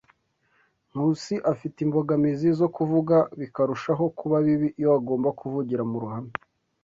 Nkusi afite imbogamizi zo kuvuga, bikarushaho kuba bibi iyo agomba kuvugira mu ruhame.